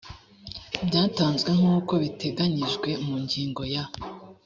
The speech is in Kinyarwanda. byatanzwe nk uko biteganyijwe mu ngingo ya